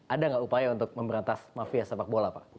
ada nggak upaya untuk memberantas mafia sepak bola pak